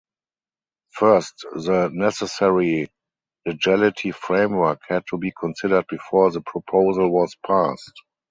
First the necessary legality framework had to be considered before the proposal was passed.